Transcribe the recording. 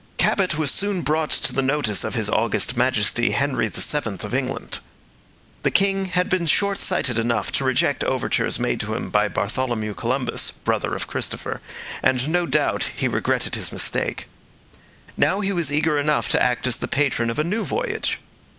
Cabot was soon brought to the notice of his august majesty Henry VII of England. The king had been shortsighted enough to reject overtures made to him by Bartholomew Columbus, brother of Christopher, and no doubt he regretted his mistake. Now he was eager enough to act as the patron of a new voyage.